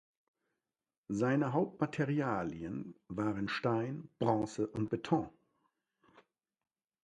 Seine Haupt-Materialien waren Stein, Bronze und Beton.